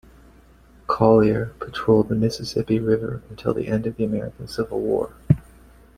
"Collier" patrolled the Mississippi River until the end of the American Civil War.